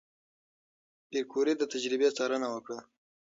پېیر کوري د تجربې څارنه وکړه.